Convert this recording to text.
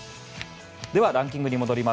では、ランキングに戻ります。